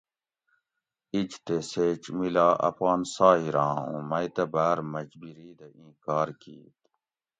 ایج تے سیچ مِلا اپان سایٔراں اُوں مئ تہ باۤر مجبیری دہ ایں کار کِیت